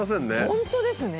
本当ですね。